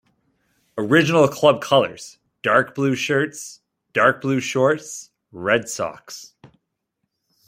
Original club colours: Dark blue shirts, dark blue shorts, red socks.